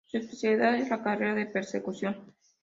Su especialidad es la carrera de persecución.